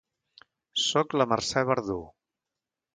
Soc la Mercè Verdú.